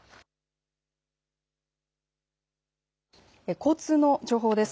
交通の情報です。